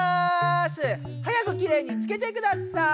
早くきれいにつけてください。